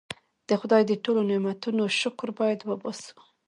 د خدای د ټولو نعمتونو شکر باید وباسو.